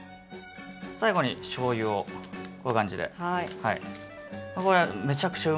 最後に醤油をこういう感じで。